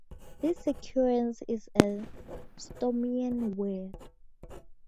This sequence is a Sturmian word.